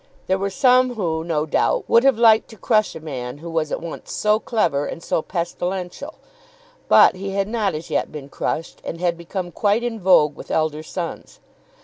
There were some who, no doubt, would have liked to crush a man who was at once so clever, and so pestilential. But he had not as yet been crushed, and had become quite in vogue with elder sons.